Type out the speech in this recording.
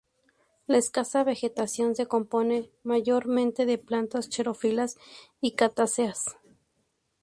La escasa vegetación se compone mayormente de plantas xerófilas y cactáceas.